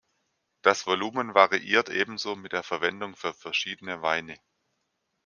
Das Volumen variiert ebenso mit der Verwendung für verschiedene Weine.